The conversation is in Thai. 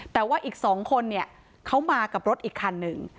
แต่ว่าอีก๒คนเนี่ยเขามากับรถอีกคันหนึ่ง